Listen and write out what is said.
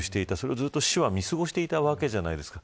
それをずっと市は見過ごしていたわけじゃないですか。